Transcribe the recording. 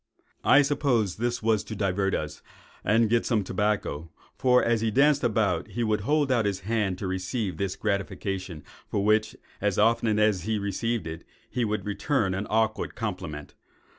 "I suppose this was to divert us, and get some tobacco; for, as he danced about, he would hold out his hand to receive this gratification, for which, as often as he received it, he would return an awkward compliment.